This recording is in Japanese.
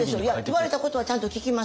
言われたことはちゃんと聞きますよ。